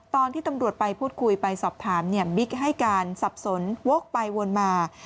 ตอนที่ตำรวจไปพูดคุยไปสอบถามเนี่ยบิ๊กให้การสับสนวกไปวนมา